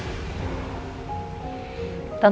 tante takut sama tante